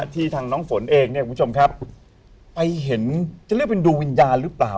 ที่ทางน้องฝนเองเนี่ยคุณผู้ชมครับไปเห็นจะเรียกเป็นดวงวิญญาณหรือเปล่า